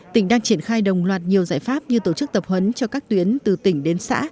tỉnh đang triển khai đồng loạt nhiều giải pháp như tổ chức tập huấn cho các tuyến từ tỉnh đến xã